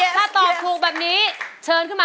ก็ดีครับ